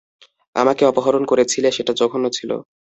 আমাকে অপহরণ করেছিলে, সেটা জঘন্য ছিল।